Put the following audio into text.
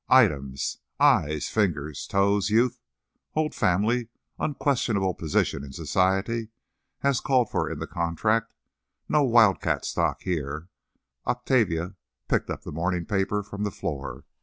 —items: eyes, fingers, toes, youth, old family, unquestionable position in society as called for in the contract—no wild cat stock here." Octavia picked up the morning paper from the floor.